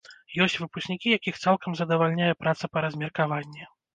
Ёсць выпускнікі, якіх цалкам задавальняе праца па размеркаванні.